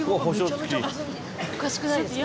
おかしくないですか？